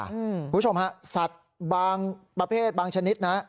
คุณผู้ชมฮะสัตว์บางประเภทบางชนิดนะ